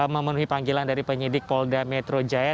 memenuhi panggilan dari penyidik polda metro jaya